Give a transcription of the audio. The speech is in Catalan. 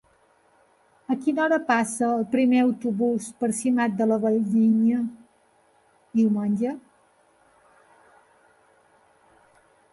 A quina hora passa el primer autobús per Simat de la Valldigna diumenge?